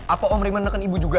apa om raymond neken ibu juga